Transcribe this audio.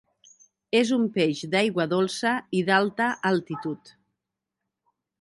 És un peix d'aigua dolça i d'alta altitud.